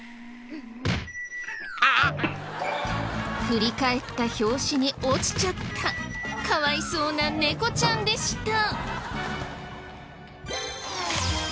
振り返った拍子に落ちちゃったかわいそうな猫ちゃんでした。